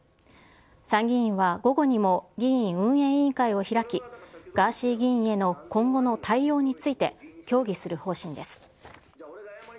参議院は午後にも議院運営委員会を開き、ガーシー議員への今後の対応について協議する方針です。